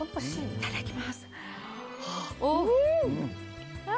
いただきます！